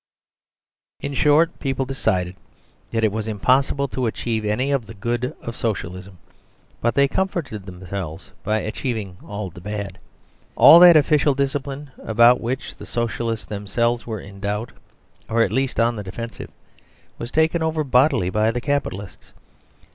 In short, people decided that it was impossible to achieve any of the good of Socialism, but they comforted themselves by achieving all the bad. All that official discipline, about which the Socialists themselves were in doubt or at least on the defensive, was taken over bodily by the Capitalists.